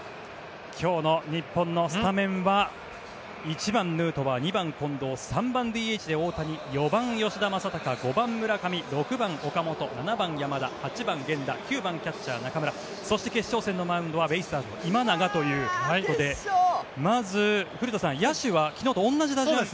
今日の日本のスタメンは１番、ヌートバー２番、近藤３番ＤＨで大谷４番、吉田正尚５番、村上、６番、岡本７番、山田８番、源田９番キャッチャー、中村そして、決勝戦のマウンドはベイスターズの今永ということでまず古田さん野手は昨日と同じ打順。